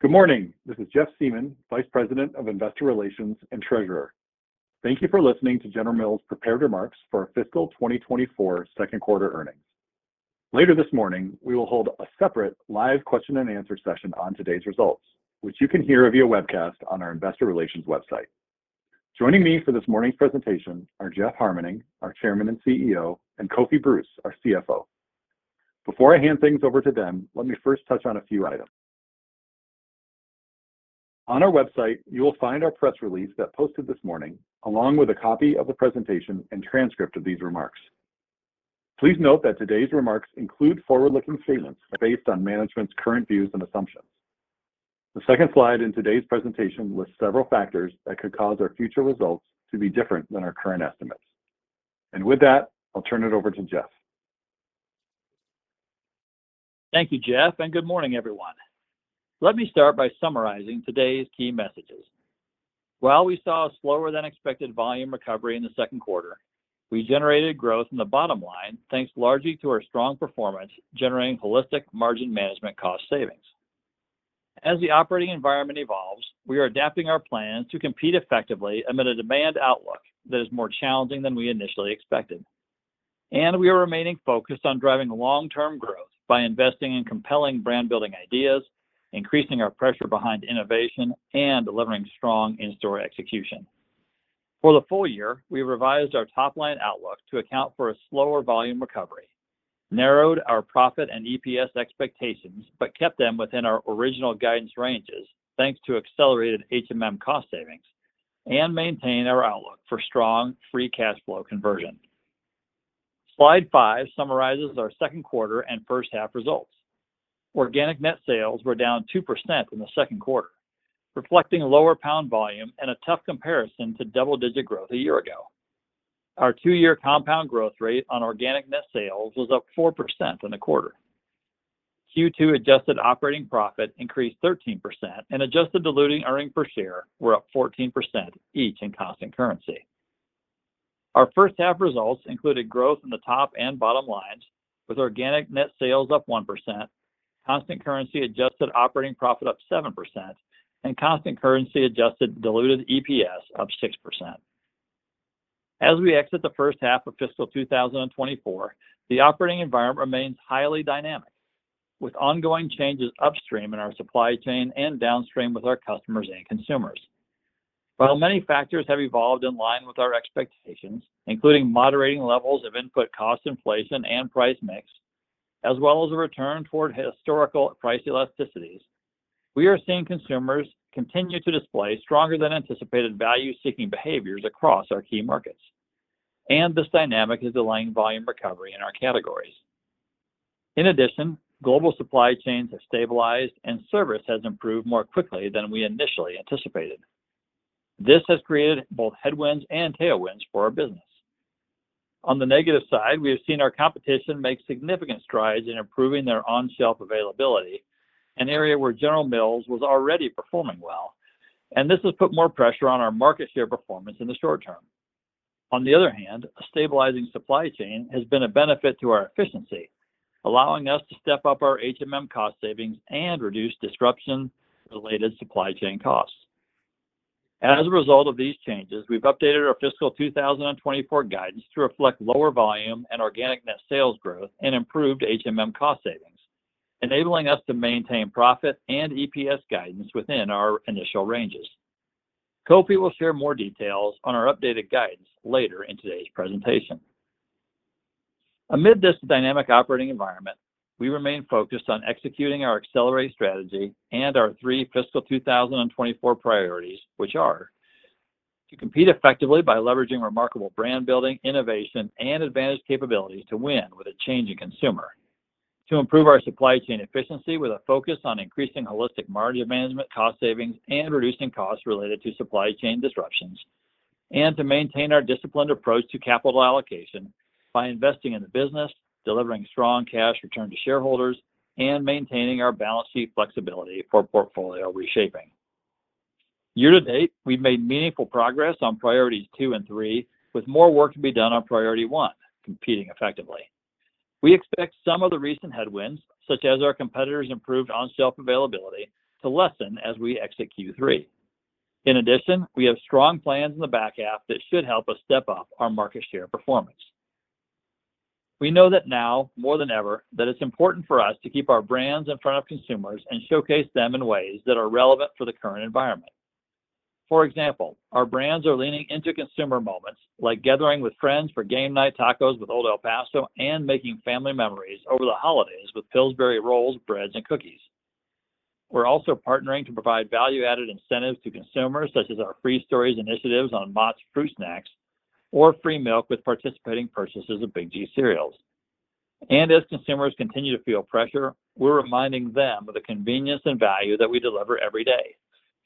Good morning. This is Jeff Siemon, Vice President, Investor Relations and Treasurer. Thank you for listening to General Mills' prepared remarks for our fiscal 2024 second quarter earnings. Later this morning, we will hold a separate live question and answer session on today's results, which you can hear via webcast on our investor relations website. Joining me for this morning's presentation are Jeff Harmening, our Chairman and CEO, and Kofi Bruce, our CFO. Before I hand things over to them, let me first touch on a few items. On our website, you will find our press release that posted this morning, along with a copy of the presentation and transcript of these remarks. Please note that today's remarks include forward-looking statements based on management's current views and assumptions. The second slide in today's presentation lists several factors that could cause our future results to be different than our current estimates. With that, I'll turn it over to Jeff. Thank you, Jeff, and good morning, everyone. Let me start by summarizing today's key messages. While we saw a slower-than-expected volume recovery in the second quarter, we generated growth in the bottom line, thanks largely to our strong performance, generating Holistic Margin Management cost savings. As the operating environment evolves, we are adapting our plans to compete effectively amid a demand outlook that is more challenging than we initially expected. We are remaining focused on driving long-term growth by investing in compelling brand-building ideas, increasing our pressure behind innovation, and delivering strong in-store execution. For the full year, we revised our top-line outlook to account for a slower volume recovery, narrowed our profit and EPS expectations, but kept them within our original guidance ranges, thanks to accelerated HMM cost savings, and maintained our outlook for strong Free Cash Flow Conversion. Slide five summarizes our second quarter and first half results. Organic net sales were down 2% in the second quarter, reflecting lower pound volume and a tough comparison to double-digit growth a year ago. Our two-year compound growth rate on organic net sales was up 4% in the quarter. Q2 adjusted operating profit increased 13% and adjusted diluted earnings per share were up 14%, each in constant currency. Our first half results included growth in the top and bottom lines, with organic net sales up 1%, constant currency adjusted operating profit up 7%, and constant currency adjusted diluted EPS up 6%. As we exit the first half of fiscal 2024, the operating environment remains highly dynamic, with ongoing changes upstream in our supply chain and downstream with our customers and consumers. While many factors have evolved in line with our expectations, including moderating levels of input cost inflation and price mix, as well as a return toward historical price elasticities, we are seeing consumers continue to display stronger than anticipated value-seeking behaviors across our key markets. This dynamic is delaying volume recovery in our categories. In addition, global supply chains have stabilized, and service has improved more quickly than we initially anticipated. This has created both headwinds and tailwinds for our business. On the negative side, we have seen our competition make significant strides in improving their on-shelf availability, an area where General Mills was already performing well, and this has put more pressure on our market share performance in the short term. On the other hand, a stabilizing supply chain has been a benefit to our efficiency, allowing us to step up our HMM cost savings and reduce disruption-related supply chain costs. As a result of these changes, we've updated our fiscal 2024 guidance to reflect lower volume and organic net sales growth and improved HMM cost savings, enabling us to maintain profit and EPS guidance within our initial ranges. Kofi will share more details on our updated guidance later in today's presentation. Amid this dynamic operating environment, we remain focused on executing our accelerated strategy and our three fiscal 2024 priorities, which are: to compete effectively by leveraging remarkable brand-building, innovation, and advantage capabilities to win with a changing consumer, to improve our supply chain efficiency with a focus on increasing holistic margin management cost savings and reducing costs related to supply chain disruptions, and to maintain our disciplined approach to capital allocation by investing in the business, delivering strong cash return to shareholders, and maintaining our balance sheet flexibility for portfolio reshaping. Year to date, we've made meaningful progress on priorities two and three, with more work to be done on priority 1, competing effectively. We expect some of the recent headwinds, such as our competitors' improved on-shelf availability, to lessen as we exit Q3. In addition, we have strong plans in the back half that should help us step up our market share performance. We know that now, more than ever, that it's important for us to keep our brands in front of consumers and showcase them in ways that are relevant for the current environment. For example, our brands are leaning into consumer moments like gathering with friends for game night tacos with Old El Paso and making family memories over the holidays with Pillsbury rolls, breads, and cookies. We're also partnering to provide value-added incentives to consumers, such as our free stories initiatives on Mott's fruit snacks or free milk with participating purchases of Big G Cereals. As consumers continue to feel pressure, we're reminding them of the convenience and value that we deliver every day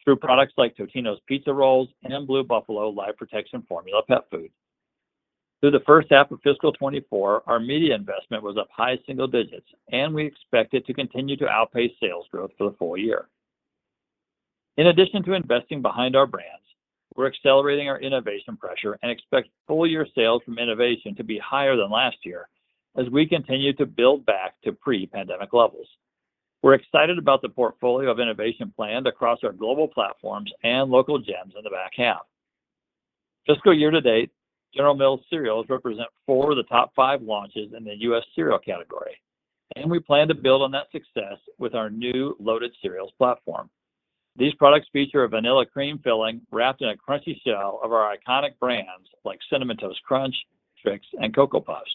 through products like Totino's Pizza Rolls and Blue Buffalo's BLUE Life Protection Formula pet food. Through the first half of fiscal 2024, our media investment was up high single digits, and we expect it to continue to outpace sales growth for the full year. In addition to investing behind our brands, we're accelerating our innovation pressure and expect full-year sales from innovation to be higher than last year as we continue to build back to pre-pandemic levels. We're excited about the portfolio of innovation planned across our global platforms and local gems in the back half. Fiscal year to date, General Mills cereals represent four of the top five launches in the U.S. cereal category, and we plan to build on that success with our new Loaded cereals platform. These products feature a vanilla cream filling wrapped in a crunchy shell of our iconic brands like Cinnamon Toast Crunch, Trix, and Cocoa Puffs.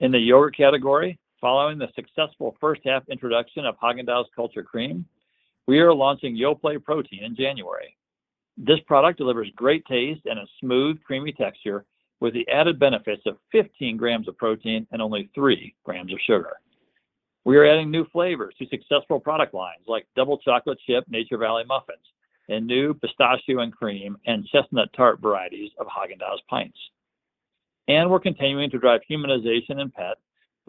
In the yogurt category, following the successful first half introduction of Häagen-Dazs Cultured Crème, we are launching Yoplait Protein in January. This product delivers great taste and a smooth, creamy texture with the added benefits of 15 grams of protein and only three grams of sugar. We are adding new flavors to successful product lines like Double Chocolate Chip Nature Valley Muffins and new Pistachio & Cream and Chestnut Tart varieties of Häagen-Dazs Pints. We're continuing to drive humanization in pet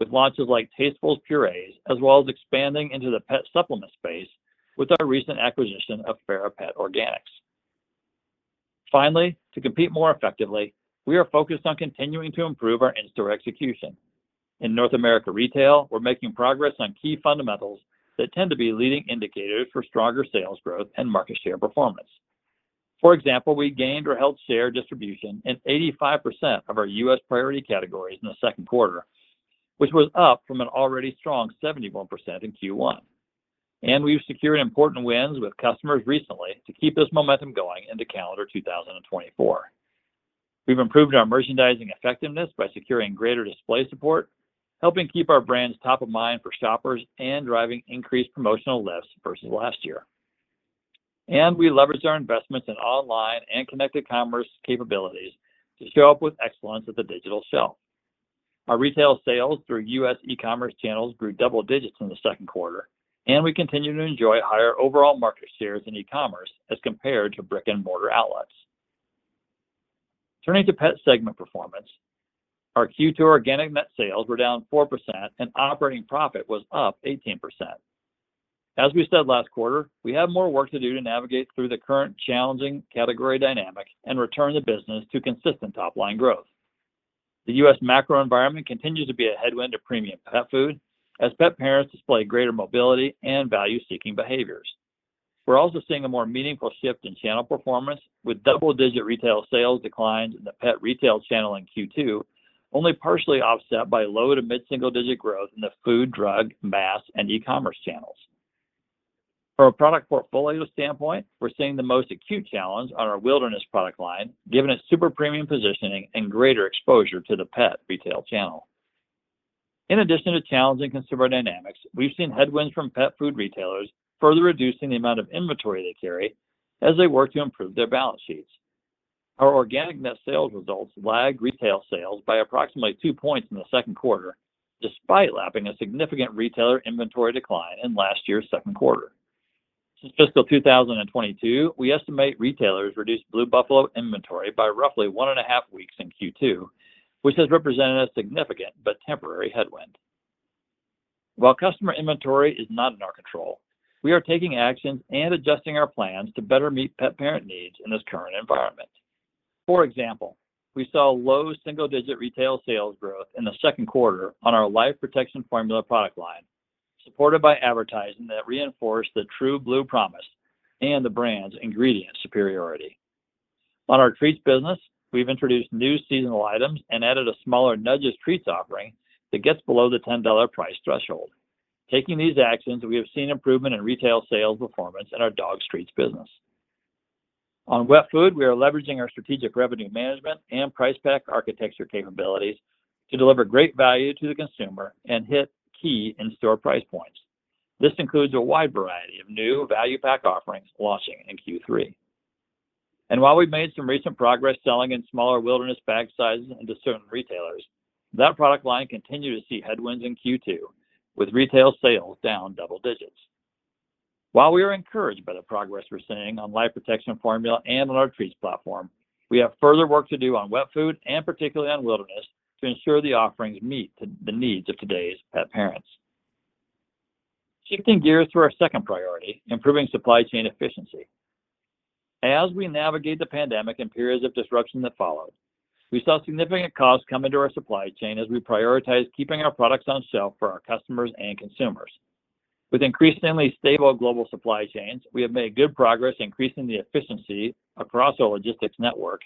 with launches like Tastefuls Purées, as well as expanding into the pet supplement space with our recent acquisition of Fera Pets. Finally, to compete more effectively, we are focused on continuing to improve our in-store execution. In North America Retail, we're making progress on key fundamentals that tend to be leading indicators for stronger sales growth and market share performance. For example, we gained or held share distribution in 85% of our U.S. priority categories in the second quarter, which was up from an already strong 71% in Q1. We've secured important wins with customers recently to keep this momentum going into calendar 2024. We've improved our merchandising effectiveness by securing greater display support, helping keep our brands top of mind for shoppers and driving increased promotional lifts versus last year. We leveraged our investments in online and connected commerce capabilities to show up with excellence at the digital shelf. Our retail sales through U.S. e-commerce channels grew double digits in the second quarter, and we continue to enjoy higher overall market shares in e-commerce as compared to brick-and-mortar outlets. Turning to Pet segment performance, our Q2 organic net sales were down 4% and operating profit was up 18%. As we said last quarter, we have more work to do to navigate through the current challenging category dynamics and return the business to consistent top-line growth. The U.S. macro environment continues to be a headwind to premium pet food as pet parents display greater mobility and value-seeking behaviors. We're also seeing a more meaningful shift in channel performance, with double-digit retail sales declines in the pet retail channel in Q2, only partially offset by low to mid-single-digit growth in the food, drug, mass, and e-commerce channels. From a product portfolio standpoint, we're seeing the most acute challenge on our Wilderness product line, given its super premium positioning and greater exposure to the pet retail channel. In addition to challenging consumer dynamics, we've seen headwinds from pet food retailers further reducing the amount of inventory they carry as they work to improve their balance sheets. Our organic net sales results lagged retail sales by approximately two points in the second quarter, despite lapping a significant retailer inventory decline in last year's second quarter. Since fiscal 2022, we estimate retailers reduced Blue Buffalo inventory by roughly 1.5 weeks in Q2, which has represented a significant but temporary headwind. While customer inventory is not in our control, we are taking actions and adjusting our plans to better meet pet parent needs in this current environment. For example, we saw low single-digit retail sales growth in the second quarter on our Life Protection Formula product line, supported by advertising that reinforced the True Blue Promise and the brand's ingredient superiority. On our treats business, we've introduced new seasonal items and added a smaller Nudges treats offering that gets below the $10 price threshold. Taking these actions, we have seen improvement in retail sales performance in our dog treats business. On wet food, we are leveraging our strategic revenue management and price pack architecture capabilities to deliver great value to the consumer and hit key in-store price points. This includes a wide variety of new value pack offerings launching in Q3. And while we've made some recent progress selling in smaller Wilderness bag sizes into certain retailers, that product line continued to see headwinds in Q2, with retail sales down double digits. While we are encouraged by the progress we're seeing on Life Protection Formula and on our treats platform, we have further work to do on wet food and particularly on Wilderness, to ensure the offerings meet the needs of today's pet parents. Shifting gears to our second priority, improving supply chain efficiency. As we navigate the pandemic and periods of disruption that followed, we saw significant costs come into our supply chain as we prioritized keeping our products on shelf for our customers and consumers. With increasingly stable global supply chains, we have made good progress increasing the efficiency across our logistics network,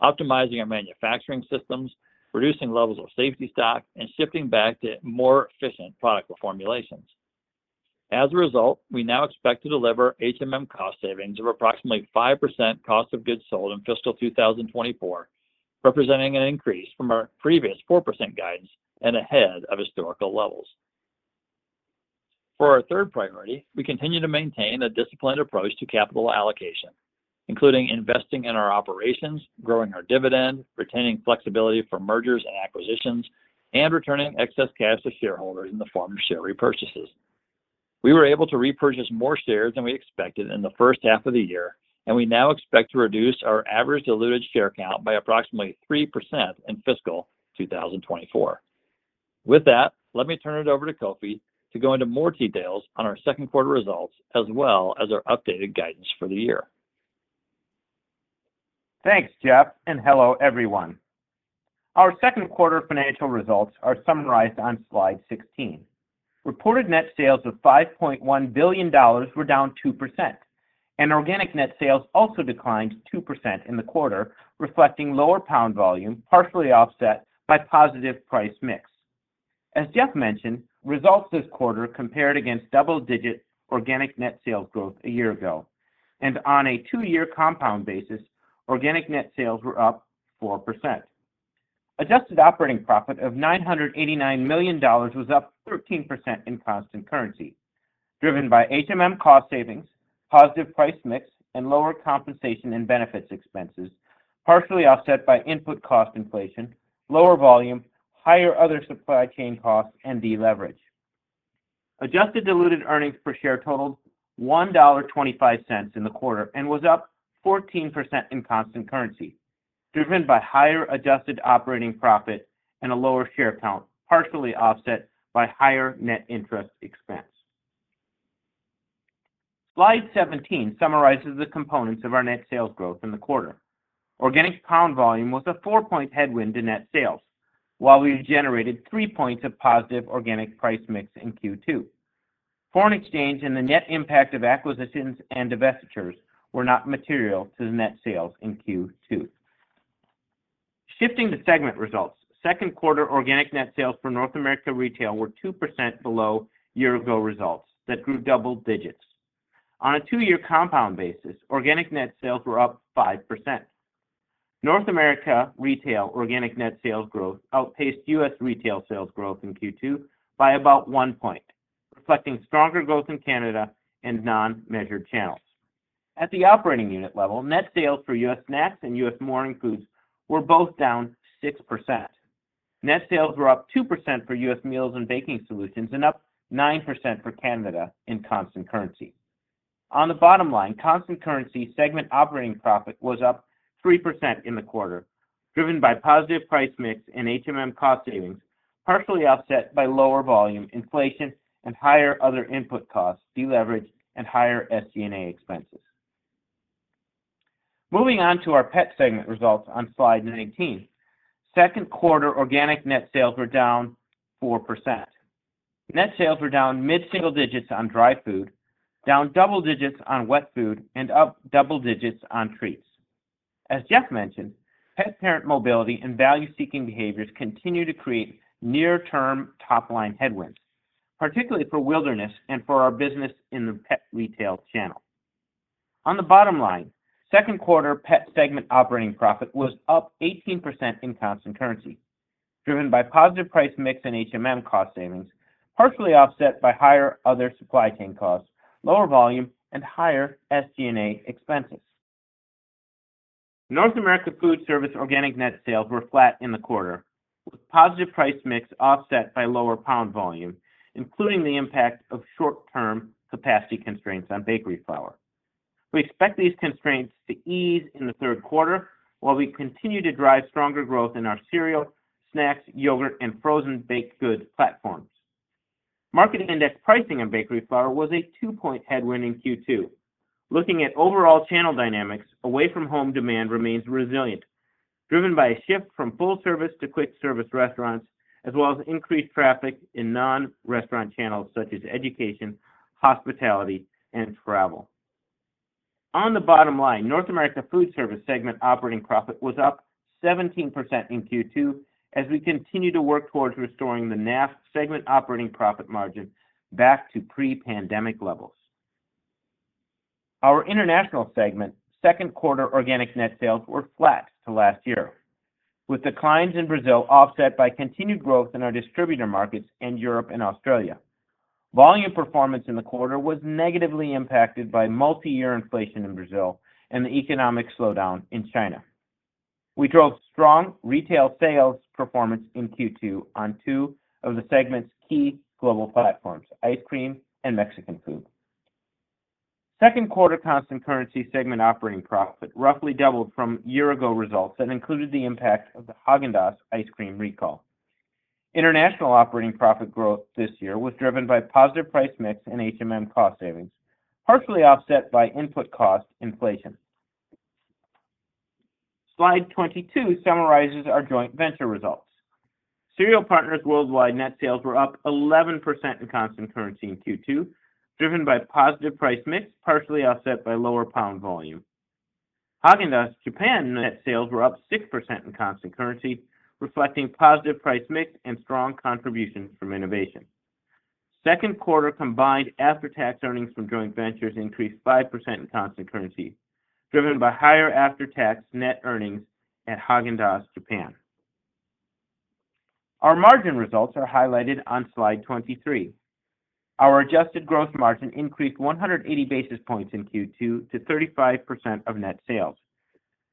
optimizing our manufacturing systems, reducing levels of safety stock, and shifting back to more efficient product formulations. As a result, we now expect to deliver HMM cost savings of approximately 5% cost of goods sold in fiscal 2024, representing an increase from our previous 4% guidance and ahead of historical levels. For our third priority, we continue to maintain a disciplined approach to capital allocation, including investing in our operations, growing our dividend, retaining flexibility for mergers and acquisitions, and returning excess cash to shareholders in the form of share repurchases. We were able to repurchase more shares than we expected in the first half of the year, and we now expect to reduce our average diluted share count by approximately 3% in fiscal 2024. With that, let me turn it over to Kofi to go into more details on our second quarter results, as well as our updated guidance for the year. Thanks, Jeff, and hello, everyone. Our second quarter financial results are summarized on slide 16. Reported net sales of $5.1 billion were down 2%, and organic net sales also declined 2% in the quarter, reflecting lower pound volume, partially offset by positive price mix. As Jeff mentioned, results this quarter compared against double-digit organic net sales growth a year ago, and on a 2-year compound basis, organic net sales were up 4%. Adjusted operating profit of $989 million was up 13% in constant currency, driven by HMM cost savings, positive price mix, and lower compensation and benefits expenses, partially offset by input cost inflation, lower volume, higher other supply chain costs, and deleverage. Adjusted diluted earnings per share totaled $1.25 in the quarter and was up 14% in constant currency, driven by higher adjusted operating profit and a lower share count, partially offset by higher net interest expense. Slide 17 summarizes the components of our net sales growth in the quarter. Organic pound volume was a 4-point headwind in net sales, while we generated three points of positive organic price mix in Q2. Foreign exchange and the net impact of acquisitions and divestitures were not material to the net sales in Q2. Shifting to segment results, second quarter organic net sales for North America retail were 2% below year-ago results that grew double digits. On a 2-year compound basis, organic net sales were up 5%. North America retail organic net sales growth outpaced U.S. retail sales growth in Q2 by about one point, reflecting stronger growth in Canada and non-measured channels. At the operating unit level, net sales for U.S. Snacks and U.S. Morning Foods were both down 6%. Net sales were up 2% for U.S. Meals and Baking Solutions and up 9% for Canada in constant currency. On the bottom line, constant currency segment operating profit was up 3% in the quarter, driven by positive price mix and HMM cost savings, partially offset by lower volume, inflation, and higher other input costs, deleverage, and higher SG&A expenses. Moving on to our pet segment results on Slide 19. Second quarter organic net sales were down 4%. Net sales were down mid-single digits on dry food, down double digits on wet food, and up double digits on treats. As Jeff mentioned, pet parent mobility and value-seeking behaviors continue to create near-term top-line headwinds, particularly for wilderness and for our business in the pet retail channel. On the bottom line, second quarter pet segment operating profit was up 18% in constant currency, driven by positive price mix and HMM cost savings, partially offset by higher other supply chain costs, lower volume, and higher SG&A expenses. North America Foodservice organic net sales were flat in the quarter, with positive price mix offset by lower pound volume, including the impact of short-term capacity constraints on bakery flour. We expect these constraints to ease in the third quarter, while we continue to drive stronger growth in our cereal, snacks, yogurt, and frozen baked goods platforms. Market index pricing on bakery flour was a 2-point headwind in Q2. Looking at overall channel dynamics, away-from-home demand remains resilient, driven by a shift from full-service to quick-service restaurants, as well as increased traffic in non-restaurant channels such as education, hospitality, and travel. On the bottom line, North America Foodservice segment operating profit was up 17% in Q2 as we continue to work towards restoring the NAF segment operating profit margin back to pre-pandemic levels. Our International segment, second quarter organic net sales were flat to last year, with declines in Brazil offset by continued growth in our distributor markets in Europe and Australia. Volume performance in the quarter was negatively impacted by multi-year inflation in Brazil and the economic slowdown in China. We drove strong retail sales performance in Q2 on two of the segment's key global platforms, ice cream and Mexican food. Second quarter constant currency segment operating profit roughly doubled from year-ago results that included the impact of the Häagen-Dazs ice cream recall. International operating profit growth this year was driven by positive price mix and HMM cost savings, partially offset by input cost inflation. Slide 22 summarizes our joint venture results. Cereal Partners Worldwide net sales were up 11% in constant currency in Q2, driven by positive price mix, partially offset by lower pound volume. Häagen-Dazs Japan net sales were up 6% in constant currency, reflecting positive price mix and strong contributions from innovation. Second quarter combined after-tax earnings from joint ventures increased 5% in constant currency, driven by higher after-tax net earnings at Häagen-Dazs Japan. Our margin results are highlighted on slide 23. Our adjusted gross margin increased 180 basis points in Q2 to 35% of net sales,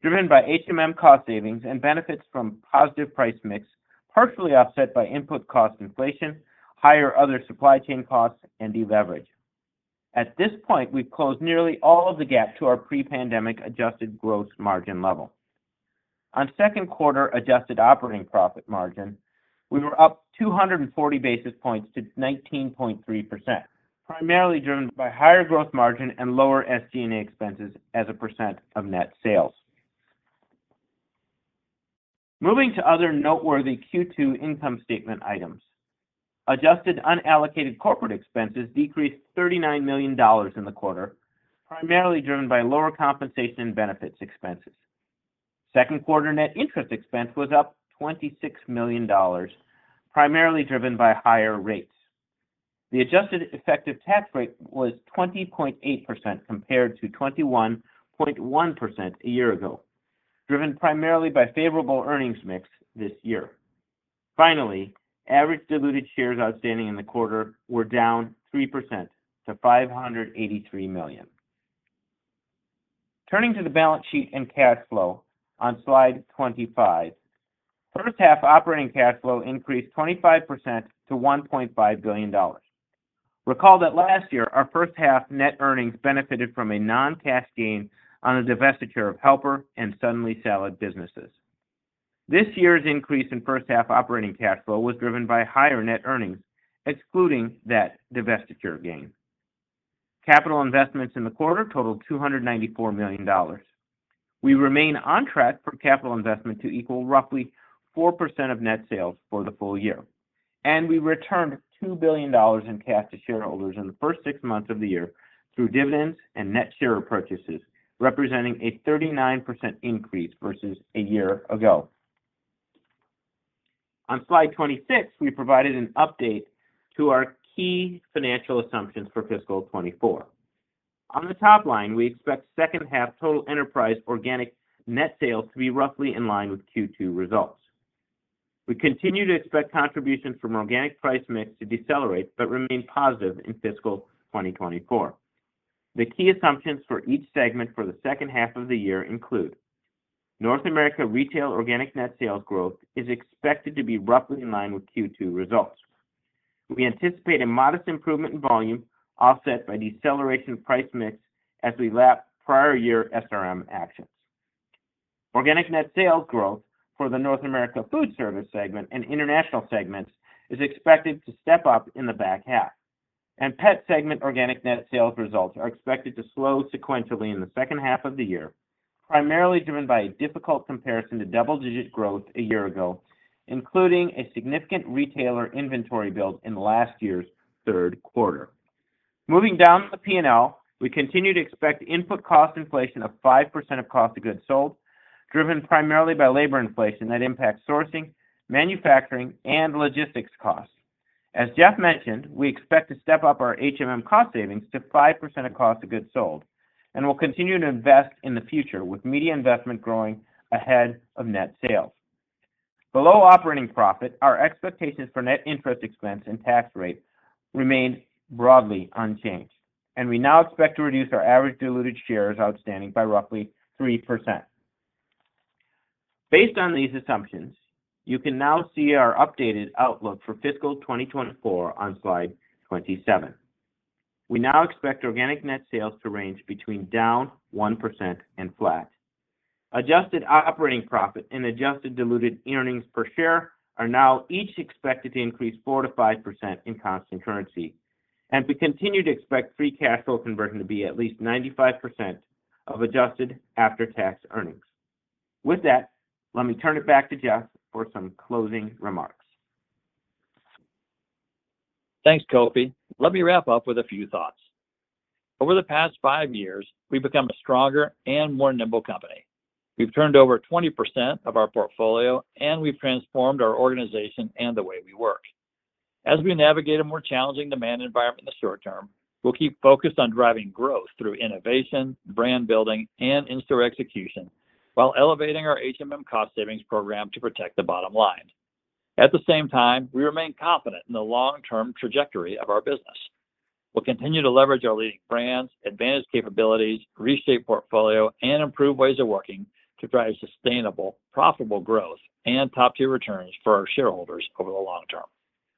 driven by HMM cost savings and benefits from positive price mix, partially offset by input cost inflation, higher other supply chain costs, and deleverage. At this point, we've closed nearly all of the gap to our pre-pandemic adjusted gross margin level. On second quarter adjusted operating profit margin, we were up 240 basis points to 19.3%, primarily driven by higher gross margin and lower SG&A expenses as a percent of net sales. Moving to other noteworthy Q2 income statement items. Adjusted unallocated corporate expenses decreased $39 million in the quarter, primarily driven by lower compensation and benefits expenses. Second quarter net interest expense was up $26 million, primarily driven by higher rates. The adjusted effective tax rate was 20.8%, compared to 21.1% a year ago, driven primarily by favorable earnings mix this year. Finally, average diluted shares outstanding in the quarter were down 3% to 583 million. Turning to the balance sheet and cash flow on slide 25. First half operating cash flow increased 25% to $1.5 billion. Recall that last year, our first half net earnings benefited from a non-cash gain on the divestiture of Helper and Suddenly Salad businesses. This year's increase in first half operating cash flow was driven by higher net earnings, excluding that divestiture gain. Capital investments in the quarter totaled $294 million. We remain on track for capital investment to equal roughly 4% of net sales for the full year, and we returned $2 billion in cash to shareholders in the first six months of the year through dividends and net share purchases, representing a 39% increase versus a year ago. On slide 26, we provided an update to our key financial assumptions for fiscal 2024. On the top line, we expect second half total enterprise organic net sales to be roughly in line with Q2 results. We continue to expect contributions from organic price mix to decelerate, but remain positive in fiscal 2024. The key assumptions for each segment for the second half of the year include North America Retail organic net sales growth is expected to be roughly in line with Q2 results. We anticipate a modest improvement in volume, offset by deceleration price mix as we lap prior year SRM actions. Organic Net Sales growth for the North America Foodservice segment and international segments is expected to step up in the back half, and pet segment Organic Net Sales results are expected to slow sequentially in the second half of the year, primarily driven by a difficult comparison to double-digit growth a year ago, including a significant retailer inventory build in last year's third quarter. Moving down the P&L, we continue to expect input cost inflation of 5% of cost of goods sold, driven primarily by labor inflation that impacts sourcing, manufacturing, and logistics costs. As Jeff mentioned, we expect to step up our HMM cost savings to 5% of cost of goods sold, and we'll continue to invest in the future, with media investment growing ahead of net sales. Below operating profit, our expectations for net interest expense and tax rate remain broadly unchanged, and we now expect to reduce our average diluted shares outstanding by roughly 3%. Based on these assumptions, you can now see our updated outlook for fiscal 2024 on slide 27. We now expect organic net sales to range between down 1% and flat. Adjusted operating profit and adjusted diluted earnings per share are now each expected to increase 4%-5% in constant currency, and we continue to expect free cash flow conversion to be at least 95% of adjusted after-tax earnings. With that, let me turn it back to Jeff for some closing remarks. Thanks, Kofi. Let me wrap up with a few thoughts. Over the past five years, we've become a stronger and more nimble company. We've turned over 20% of our portfolio, and we've transformed our organization and the way we work. As we navigate a more challenging demand environment in the short term, we'll keep focused on driving growth through innovation, brand building, and in-store execution while elevating our HMM cost savings program to protect the bottom line. At the same time, we remain confident in the long-term trajectory of our business. We'll continue to leverage our leading brands, advanced capabilities, reshaped portfolio, and improved ways of working to drive sustainable, profitable growth and top-tier returns for our shareholders over the long term.